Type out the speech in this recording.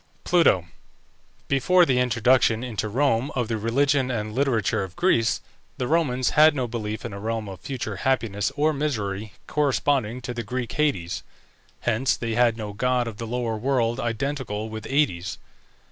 PLUTO. Before the introduction into Rome of the religion and literature of Greece, the Romans had no belief in a realm of future happiness or misery, corresponding to the Greek Hades; hence they had no god of the lower world identical with Aïdes.